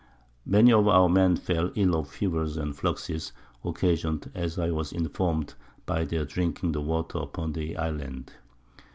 Many of our Men fell ill of Fevers and Fluxes, occasion'd, as I was inform'd, by their drinking the Water upon the Island.